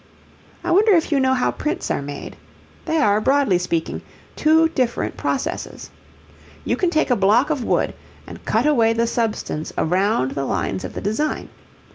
I wonder if you know how prints are made? There are, broadly speaking, two different processes. You can take a block of wood and cut away the substance around the lines of the design.